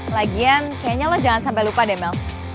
lagian kayaknya lo jangan sampai lupa deh mel